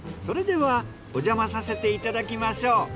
それではおじゃまさせていただきましょう。